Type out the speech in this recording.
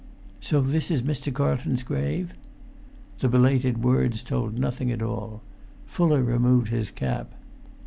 "So this is Mr. Carlton's grave!" The belated words told nothing at all. Fuller removed his cap.